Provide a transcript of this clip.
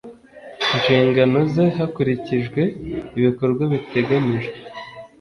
nshingano ze hakurikijwe ibikorwa biteganyijwe